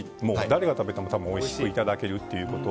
誰が食べてもおいしくいただけるということ。